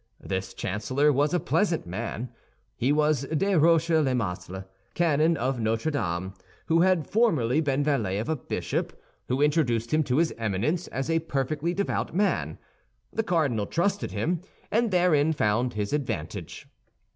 This chancellor was a pleasant man. He was Des Roches le Masle, canon of Notre Dame, who had formerly been valet of a bishop, who introduced him to his Eminence as a perfectly devout man. The cardinal trusted him, and therein found his advantage.